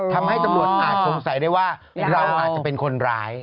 ทำให้ตำรวจอาจสงสัยได้ว่าเราอาจจะเป็นคนร้าย